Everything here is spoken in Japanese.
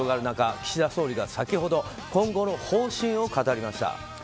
中岸田総理が先ほど今後の方針を語りました。